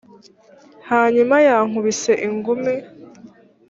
hanyuma yankubise ingumi